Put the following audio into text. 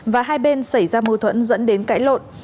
và hai bên xảy ra mâu thuẫn dẫn đến cãi lộn